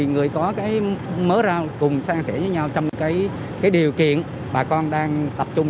người có mớ rau cùng sang sẻ với nhau trong điều kiện bà con đang tập trung